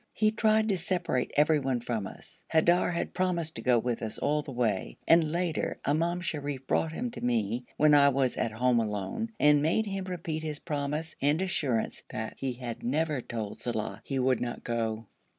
He tried to separate everyone from us. Haidar had promised to go with us all the way, and later Imam Sharif brought him to me when I was at home alone, and made him repeat his promise, and assurance that he had never told Saleh he would not go.